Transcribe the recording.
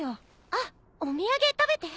あっお土産食べて。